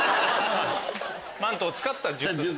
マントを使った術。